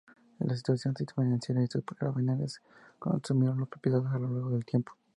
La situación financiera y sus gravámenes consumieron las propiedades a lo largo del tiempo.